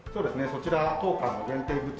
こちら当館の限定グッズ。